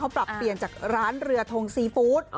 ปรับเปลี่ยนจากร้านเรือทงซีฟู้ด